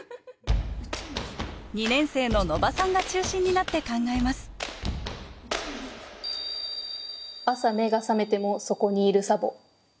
２年生の野場さんが中心になって考えます「朝目が覚めてもそこにいるサボ」。